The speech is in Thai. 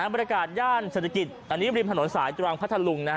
บรรยากาศย่านเศรษฐกิจอันนี้ริมถนนสายตรังพัทธลุง